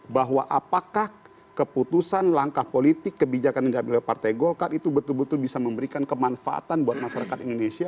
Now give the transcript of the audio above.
bahwa apakah keputusan langkah politik kebijakan yang diambil oleh partai golkar itu betul betul bisa memberikan kemanfaatan buat masyarakat indonesia